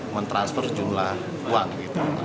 men transfer jumlah uang gitu